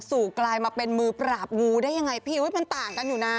สู่กลายมาเป็นมือปราบงูได้ยังไงพี่อุ๊ยมันต่างกันอยู่นะ